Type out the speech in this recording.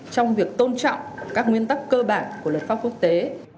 trong việc tôn trọng các nguyên tắc cơ bản của luật pháp quốc tế